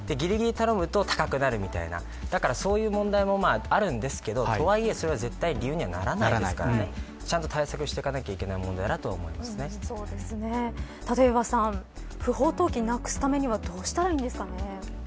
ぎりぎりに頼むと高くなるみたいな、そういう問題もあるんですけどとはいえ、それは絶対に理由にはならないですから、ちゃんと対策していかなければいけない立岩さん、不法投棄をなくすためにはどうしたらいいですかね。